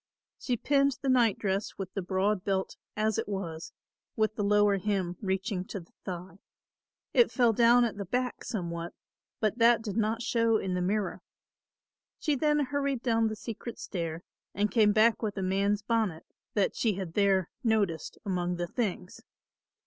She pinned the nightdress with the broad belt as it was, with the lower hem reaching to the thigh. It fell down at the back somewhat, but that did not show in the mirror. She then hurried down the secret stair and came back with a man's bonnet that she had there noticed among the things.